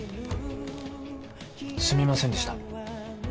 すみませんでした。